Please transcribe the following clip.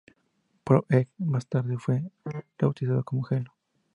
Pro Egg, que más tarde fue rebautizado como "Hello!